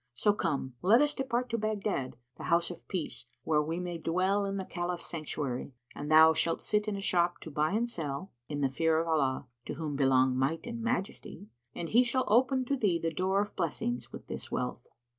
So come, let us depart to Baghdad, the House[FN#82] of Peace, where we may dwell in the Caliph's Sanctuary, and thou shalt sit in a shop to buy and sell, in the fear of Allah (to whom belong Might and Majesty!) and He shall open to thee the door of blessings with this wealth."